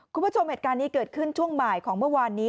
คุณผู้ชมเหตุการณ์นี้เกิดขึ้นช่วงบ่ายของเมื่อวานนี้